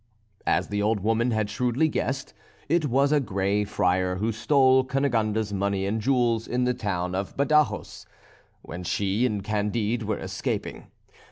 As the old woman had shrewdly guessed, it was a Grey Friar who stole Cunegonde's money and jewels in the town of Badajos, when she and Candide were escaping.